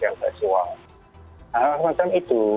nah semacam itu